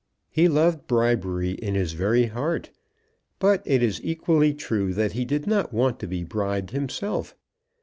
He loved bribery in his very heart. But it is equally true that he did not want to be bribed himself.